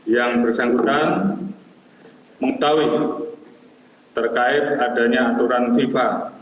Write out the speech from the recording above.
yang bersangkutan mengetahui terkait adanya aturan fifa